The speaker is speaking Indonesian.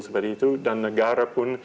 seperti itu dan negara pun